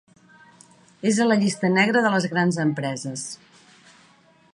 És a la llista negra de les grans empreses.